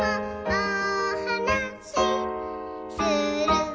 おはなしする」